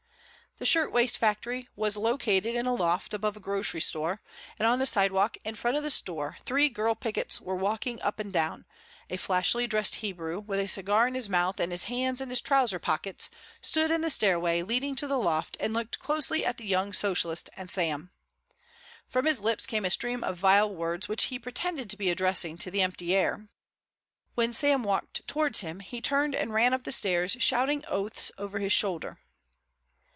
The shirtwaist factory was located in a loft above a grocery store, and on the sidewalk in front of the store three girl pickets were walking up and down. A flashily dressed Hebrew, with a cigar in his mouth and his hands in his trousers pockets, stood in the stairway leading to the loft and looked closely at the young socialist and Sam. From his lips came a stream of vile words which he pretended to be addressing to the empty air. When Sam walked towards him he turned and ran up the stairs, shouting oaths over his shoulder.